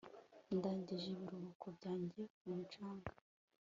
Ndangije ibiruhuko byanjye ku mucanga